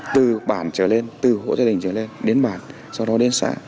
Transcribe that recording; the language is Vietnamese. từ bản trở lên từ hộ gia đình trở lên đến bản sau đó đến xã